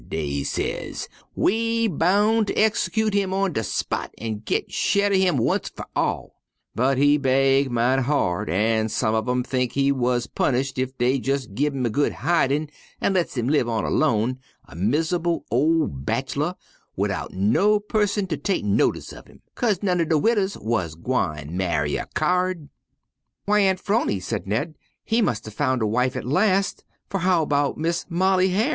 dey ses, 'we boun' ter exescoot him on de spot an' git shed uv 'im onct fer all.' But he baig mighty hard an' some uv 'em think he be wuss punish ef dey jes' gins 'im a good hidin' an' lets 'im live on alone, a mis'able ol' bachelder, widout no pusson ter tek notuss uv 'im, 'kase none er de widdies wuz gwine ma'y a cowerd." "Why, Aunt 'Phrony," said Ned, "he must have found a wife at last, for how about Mis' Molly Hyar'?"